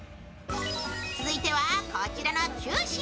続いてはこちらの９品。